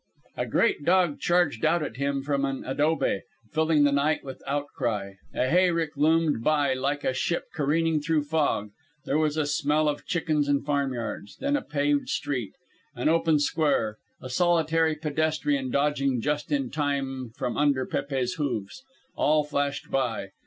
A great dog charged out at him from a dobe, filling the night with outcry; a hayrick loomed by like a ship careening through fog; there was a smell of chickens and farmyards. Then a paved street, an open square, a solitary pedestrian dodging just in time from under Pépe's hoofs. All flashed by.